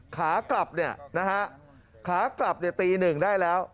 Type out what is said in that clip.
ขากลับเนี่ยนะฮะขากลับตีหนึ่งได้แล้ว